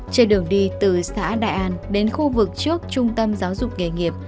trên đường đi từ xã đại an đến khu vực trước trung tâm giáo dục nghề nghiệp